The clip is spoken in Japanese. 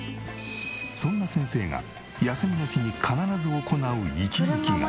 そんな先生が休みの日に必ず行う息抜きが。